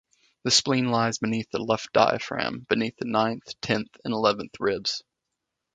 The spleen lies beneath the left diaphragm, beneath the ninth, tenth, and eleventh ribs.